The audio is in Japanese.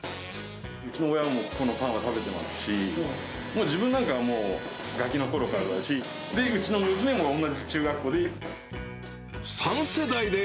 うちの親もここのパンは食べてますし、もう自分なんかはガキのころからだし、うちの娘も同じ中学校で。